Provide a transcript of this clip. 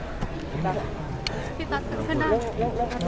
ช่วยเราขอบรับอะไรครับ